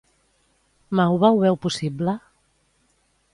Mauva ho veu possible?